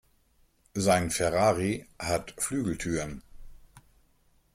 Sein Ferrari hat Flügeltüren.